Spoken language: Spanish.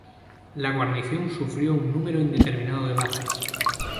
La guarnición sufrió un número indeterminado de bajas.